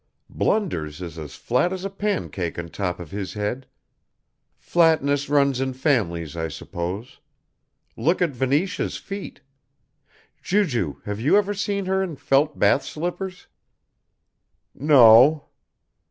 Blunders is as flat as a pancake on top of his head. Flatness runs in families I suppose. Look at Venetia's feet! Ju ju, have you ever seen her in felt bath slippers?" "No."